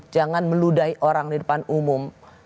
jangan meludai orang di depan umum